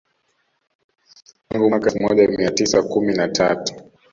Tangu mwaka elfu moja mia tisa kumi na tatu